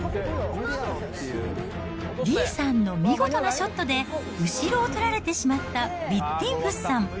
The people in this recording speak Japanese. リーさんの見事なショットで後ろを取られてしまったヴィッティンフスさん。